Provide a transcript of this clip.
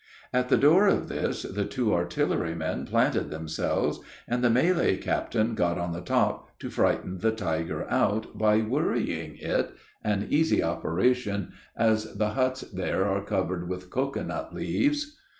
At the door of this the two artillery men planted themselves; and the Malay captain got on the top, to frighten the tiger out, by worrying it an easy operation, as the huts there are covered with cocoa nut leaves.